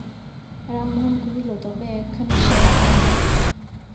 রামমোহন কহিল, তবে একখানি শিবিকা আনাই।